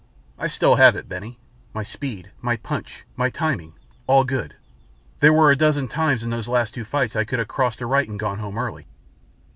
"I still have it, Benny. My speed, my punch, my timing all good. There were a dozen times in those last two fights I could have crossed a right and gone home early."